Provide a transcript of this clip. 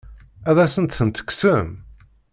Ad asent-ten-tekksem?